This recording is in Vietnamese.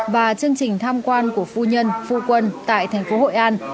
và chương trình tham quan của phu nhân phu quân tại thành phố hội an